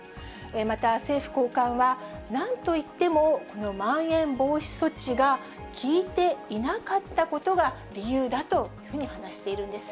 また政府高官は、なんといっても、このまん延防止措置が効いていなかったことが理由だというふうに話しているんです。